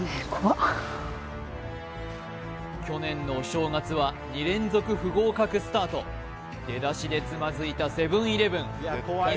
去年のお正月は２連続不合格スタート出だしでつまずいたセブン−イレブン